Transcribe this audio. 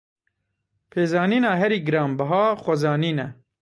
Pêzanîna herî giranbiha, xwezanîn e.